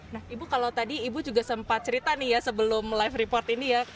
nah ibu kalau tadi ibu juga sempat cerita nih ya sebelum live report ini ya